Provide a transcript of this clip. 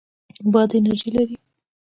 باد انرژي لري.